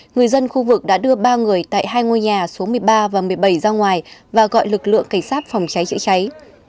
người dân khu vực đã đưa ba người tại hai ngôi nhà số một mươi ba và một mươi bảy ra ngoài và gọi lực lượng cảnh sát phòng cháy chữa cháy